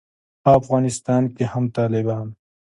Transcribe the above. افغانستان کې هم طالبان